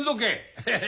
ヘヘヘ。